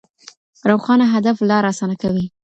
روښانه هدف لار اسانه کوي.